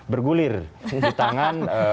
bergulir di tangan